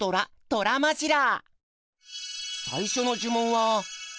トラマジラ！」。